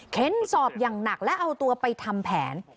สอบอย่างหนักและเอาตัวไปทำแผน